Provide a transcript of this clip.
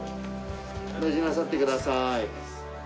お大事になさってくださーい。